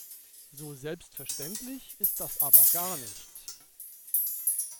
So selbstverständlich ist das aber gar nicht.